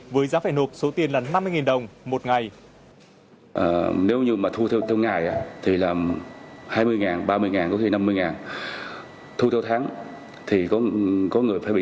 với giá phải nộp số tiền là năm mươi đồng một ngày